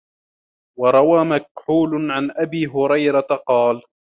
وَرَوَى مَكْحُولٌ عَنْ أَبِي هُرَيْرَةَ قَالَ